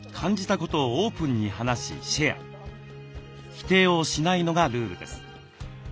否定をしないのがルールです。